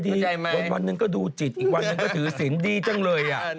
วันหนึ่งก็ดูจิตอีกวันหนึ่งก็ถือศิลป์ดีจังเลย